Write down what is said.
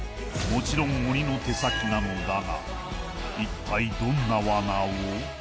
もちろん鬼の手先なのだが一体どんなワナを？